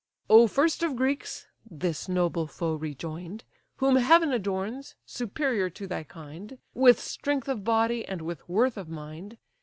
"O first of Greeks! (his noble foe rejoin'd) Whom heaven adorns, superior to thy kind, With strength of body, and with worth of mind!